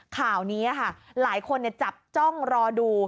ข่าวนี้ค่ะหลายคนจับจ้องรอดู